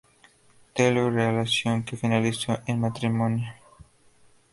Taylor, relación que finalizó en matrimonio.